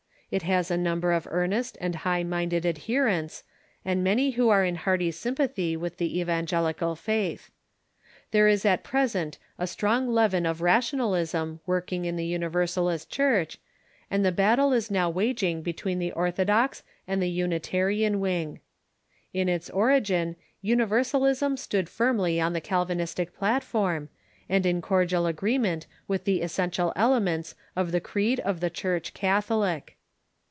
It has a number of earnest and high minded adherents, and many who are in hearty sympathy Avith the evangelical faith. There is at present a strong leaven of rationalism working in the Universalist Church, and the battle is now waging between the orthodox and the Unitarian wing. In its origin, Universalism stood iirmly on the Calvinistic platform, and in cordial agree ment with the essential elements of the creed of the Church catholic.